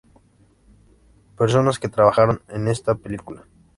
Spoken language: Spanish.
Personas que trabajaron en esta película.